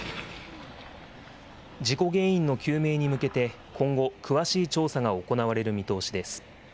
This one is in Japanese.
事故原因の究明に向けて、今後、詳しい調査が行われる見通しです。